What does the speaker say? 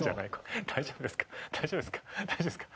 大丈夫ですか？